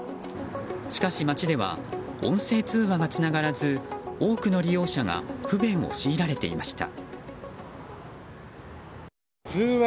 しかし街では音声通話がつながらず多くの利用者が不便を強いられていました。